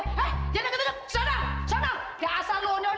eh jangan ke sana